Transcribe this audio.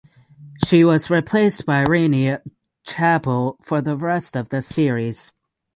She was replaced by Renee Chappell for the rest of the series.